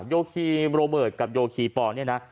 โยคีมโรเบิร์ตกับโยคีมปอนด์